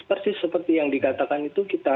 persis seperti yang dikatakan itu kita